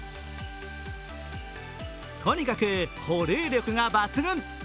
とにかく保冷力が抜群！